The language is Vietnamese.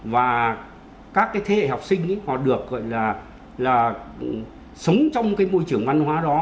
và các cái thế hệ học sinh ấy họ được gọi là sống trong cái môi trường văn hóa đó